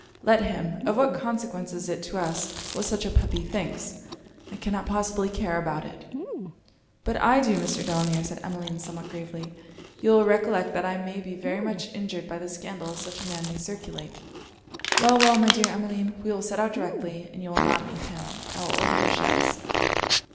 'Let him Of what consequence is it to us what such a puppy thinks? I cannot possibly care about it.' 'But I do, Mr. Delamere,' said Emmeline, somewhat gravely. 'You will recollect that I may be very much injured by the scandal such a man may circulate.' 'Well, well, my dear Emmeline we will set out directly, and you will not meet him. I will order the chaise.'